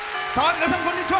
皆さん、こんにちは。